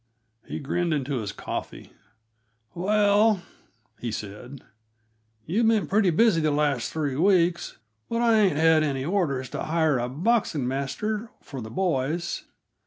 He grinned into his collar. "Well," he said, "you've been pretty busy the last three weeks, but I ain't had any orders to hire a boxing master for the boys.